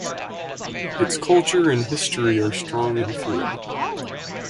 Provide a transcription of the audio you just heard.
Its culture and history are strong in Thoreau.